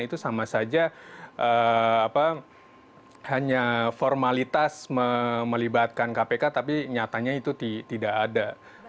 itu sama saja hanya formalitas melibatkan kpk tapi nyatanya itu tidak ada